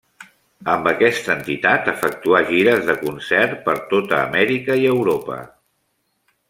Amb aquesta entitat efectuà gires de concert per tota Amèrica i Europa.